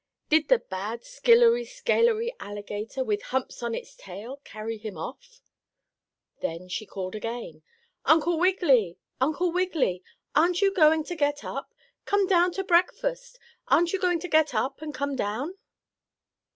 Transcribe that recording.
Did the bad skillery scalery alligator, with humps on its tail, carry him off?" Then she called again: "Uncle Wiggily! Uncle Wiggily! Aren't you going to get up? Come down to breakfast. Aren't you going to get up and come down?"